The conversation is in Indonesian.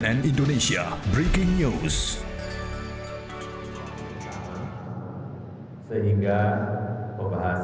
dan indonesia breaking news